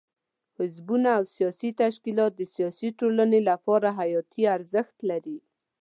حزبونه او سیاسي تشکیلات د سیاسي ټولنې لپاره حیاتي ارزښت لري.